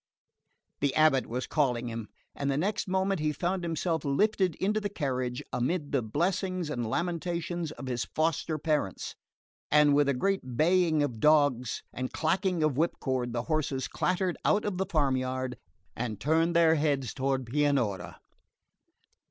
The abate was calling him, and the next moment he found himself lifted into the carriage, amid the blessings and lamentations of his foster parents; and with a great baying of dogs and clacking of whipcord the horses clattered out of the farmyard, and turned their heads toward Pianura.